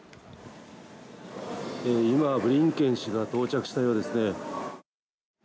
今、ブリンケン氏が到着したようですね。